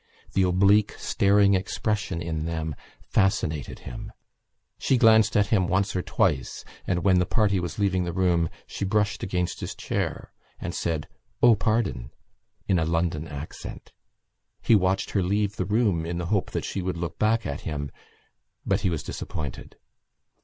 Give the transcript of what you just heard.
The oblique staring expression in them fascinated him. She glanced at him once or twice and, when the party was leaving the room, she brushed against his chair and said "O, pardon!" in a London accent. He watched her leave the room in the hope that she would look back at him, but he was disappointed.